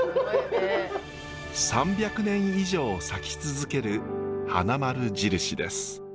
３００年以上咲き続ける花まる印です。